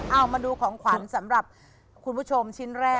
เอามาดูของขวัญสำหรับคุณผู้ชมชิ้นแรก